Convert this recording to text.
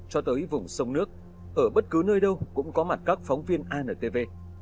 cho tới vùng sông nước ở bất cứ nơi đâu cũng có mặt các phóng viên antv